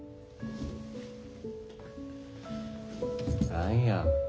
何や。